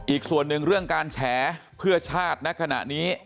อีกส่วนหนึ่งเรื่องการแฉเพื่อชาติณขณะนี้